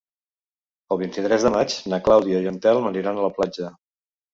El vint-i-tres de maig na Clàudia i en Telm aniran a la platja.